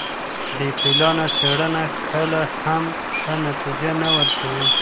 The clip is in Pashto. بې پلانه څېړنه کله هم ښه نتیجه نه ورکوي.